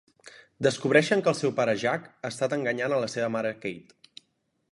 Descobreixen que el seu pare Jack ha estat enganyant a la seva mare Kate.